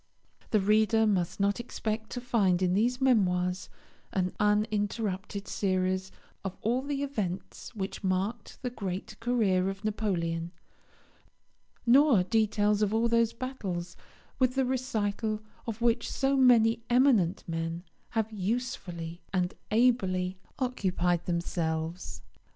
The reader must not expect to find in these Memoirs an uninterrupted series of all the events which marked the great career of Napoleon; nor details of all those battles, with the recital of which so many eminent men have usefully and ably occupied themselves.